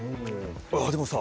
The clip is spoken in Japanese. あっでもさ